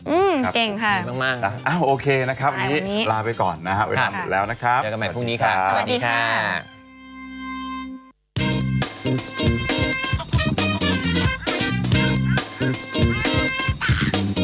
อืมเก่งค่ะดีมากโอเคนะครับวันนี้ลาไปก่อนนะครับ